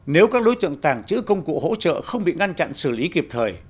nếu các đối tượng tàng trữ công cụ hỗ trợ không bị ngăn chặn xử lý kịp thời